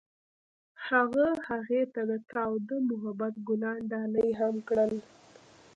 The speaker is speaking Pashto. هغه هغې ته د تاوده محبت ګلان ډالۍ هم کړل.